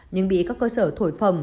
nhưng bị các cơ sở thổi phẩm